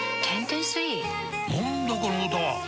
何だこの歌は！